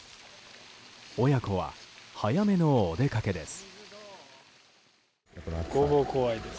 親子は早めのお出かけです。